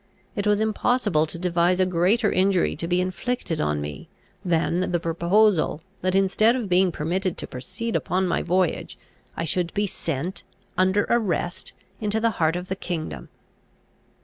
It was impossible to devise a greater injury to be inflicted on me, than the proposal that, instead of being permitted to proceed upon my voyage, I should be sent, under arrest, into the heart of the kingdom.